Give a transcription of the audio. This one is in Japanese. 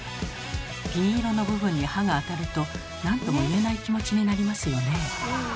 銀色の部分に歯があたると何とも言えない気持ちになりますよね。